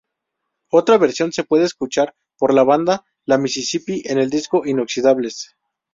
Otra versión se puede escuchar por la banda La Mississippi en el disco "Inoxidables".